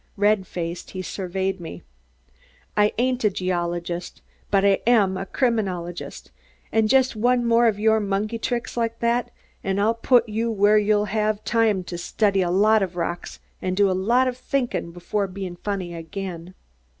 Red faced, he surveyed me. "I ain't a geologist, but I am a criminologist, and just one more of your monkey tricks like that and I'll put you where you'll have time to study a lot of rocks and do a lot of thinkin' before bein' funny again.